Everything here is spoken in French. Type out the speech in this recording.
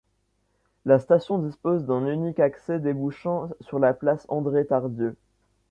La station dispose d'un unique accès débouchant sur la place André-Tardieu.